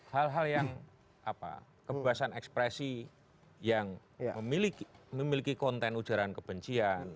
hal hal yang kebebasan ekspresi yang memiliki konten ujaran kebencian